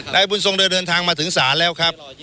นายบุญทรงเดินทางมาถึงศาลแล้วครับ